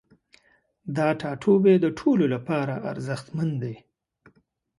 دا ټاتوبی د ټولو لپاره ارزښتمن دی